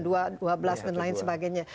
dan lain sebagainya